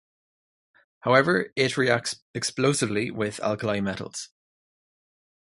However, it reacts explosively with alkali metals.